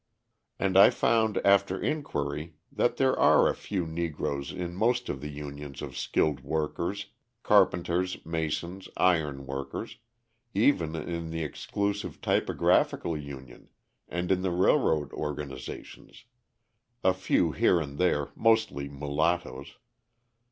And I found after inquiry that there are a few Negroes in most of the unions of skilled workers, carpenters, masons, iron workers, even in the exclusive typographical union and in the railroad organisations a few here and there, mostly mulattoes.